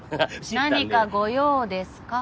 何かご用ですか？